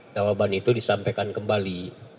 jawaban itu disampaikan kembali